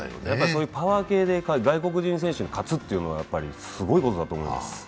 パワー系で外国人選手に勝つというのは、すごいことだと思います。